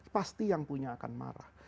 pasti yang punya akan marah